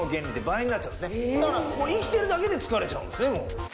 生きてるだけで疲れちゃうんですね。